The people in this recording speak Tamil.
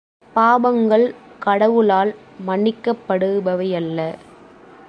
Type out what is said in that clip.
பாபங்கள் கடவுளால் மன்னிக்கப்படுபவையல்ல.